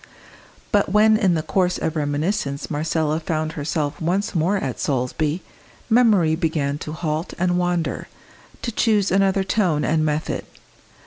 But when in the course of reminiscence Marcella found herself once more at Solesby, memory began to halt and wander, to choose another tone and method.